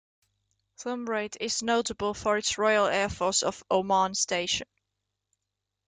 Thumrait is notable for its Royal Air Force of Oman station.